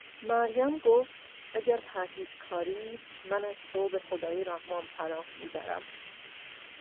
مریم گفت: اگر پرهیزگاری، من از تو به خدای رحمان پناه میبرم